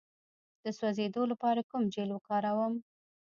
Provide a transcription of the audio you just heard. د سوځیدو لپاره کوم جیل وکاروم؟